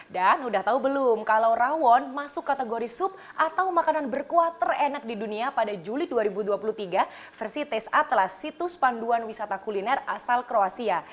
dan udah tau belum kalau rawon masuk kategori sup atau makanan berkuah terenak di dunia pada juli dua ribu dua puluh tiga versi tes atlas situs panduan wisata kuliner asal kroasia